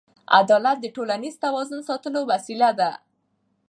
عدالت د ټولنیز توازن ساتلو وسیله ده.